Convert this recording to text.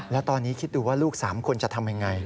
แล้วตอนนี้คิดดูว่าลูก๓คนจะทำยังไง